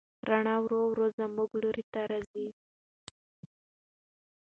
رڼا ورو ورو زموږ لوري ته راځي.